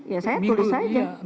ya saya tulis saja